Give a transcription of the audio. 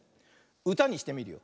うたにしてみるよ。